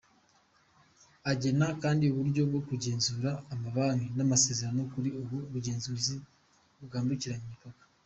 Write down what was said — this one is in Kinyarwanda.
Agena kandi uburyo bwo kugenzura amabanki n’amasezerano kuri ubu bugenzuzi bwambukiranya imipaka.